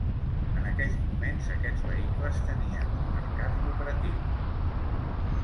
En aquell moment, aquests vehicles tenien un mercat lucratiu.